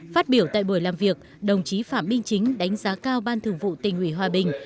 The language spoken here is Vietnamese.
phát biểu tại buổi làm việc đồng chí phạm minh chính đánh giá cao ban thường vụ tỉnh ủy hòa bình